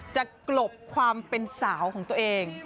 กลบความเป็นสาวของตัวเอง